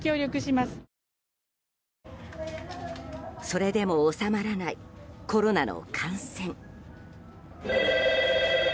それでも収まらないコロナの感染。